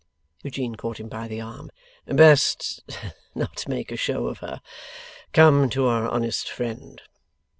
Eugene caught him by the arm. 'Best, not make a show of her. Come to our honest friend.